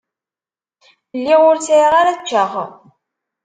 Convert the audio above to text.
Lliɣ ur sɛiɣ ara ččeɣ.